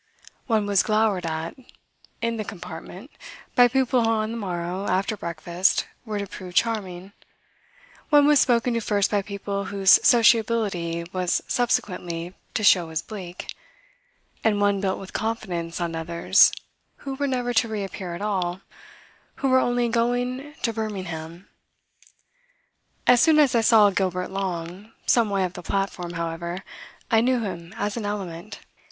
One was glowered at, in the compartment, by people who on the morrow, after breakfast, were to prove charming; one was spoken to first by people whose sociability was subsequently to show as bleak; and one built with confidence on others who were never to reappear at all who were only going to Birmingham. As soon as I saw Gilbert Long, some way up the platform, however, I knew him as an element.